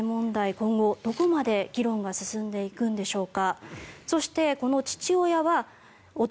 今後、どこまで議論が進んでいくんでしょうか。